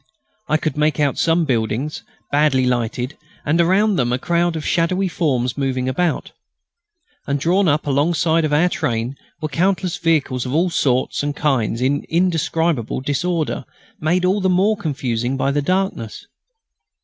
I could make out some buildings, badly lighted, and around them a crowd of shadowy forms moving about. And drawn up alongside of our train were countless vehicles of all sorts and kinds in indescribable disorder, made all the more confusing by the darkness.